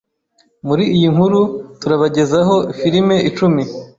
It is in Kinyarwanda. Muri iyi nkuru, turabagezaho filimi icumi